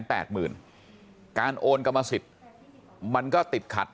บอกแล้วบอกแล้วบอกแล้วบอกแล้วบอกแล้ว